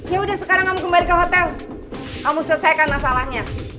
yaudah sekarang kamu kembali ke hotel kamu selesaikan masalahnya